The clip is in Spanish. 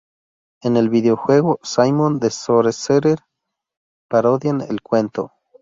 En el videojuego "Simon The Sorcerer", parodian el cuento.